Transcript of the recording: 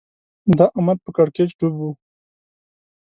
دا امت په کړکېچ ډوب و